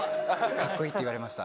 カッコいいって言われました。